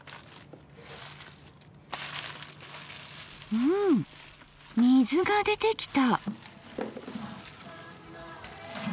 うん水が出てきた。